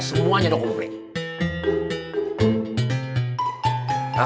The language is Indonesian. semuanya dong publik